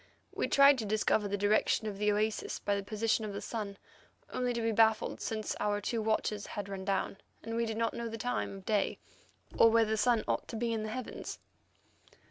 We tried to discover the direction of the oasis by the position of the sun, only to be baffled, since our two watches had run down, and we did not know the time of day or where the sun ought to be in the heavens.